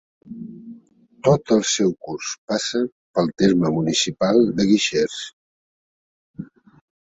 Tot el seu curs passa pel terme municipal de Guixers.